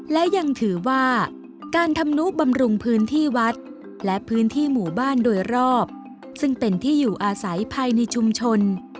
และยังถือว่าการทำนุบำรุงพื้นที่วัดและพื้นที่หมู่บ้านโดยรอบซึ่งเป็นที่อยู่อาศัยภายในชุมชน